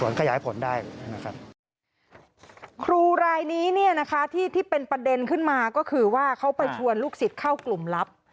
ครูรายนี้เนี่ยนะคะที่เป็นประเด็นขึ้นมาก็คือว่าเขาไปชวนลูกศิษย์เข้ากลุ่มลับ